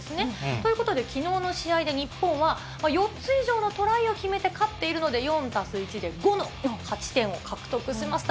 ということで、きのうの試合で日本は、４つ以上のトライを決めて勝っているので、４足す１で５の勝ち点を獲得しました。